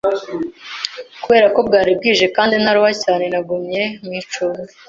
Kubera ko bwari bwije kandi nkaruha cyane, nagumye mu icumbi.